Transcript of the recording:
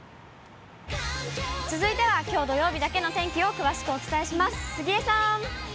続いてはきょう土曜日だけの天気を詳しくお伝えします。